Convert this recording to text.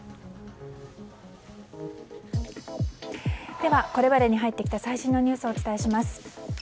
ではこれまでに入ってきた最新のニュースをお伝えします。